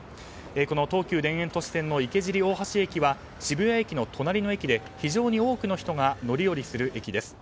この東急田園都市線の池尻大橋駅は渋谷駅の隣の駅で非常に多くの人が乗り降りする駅です。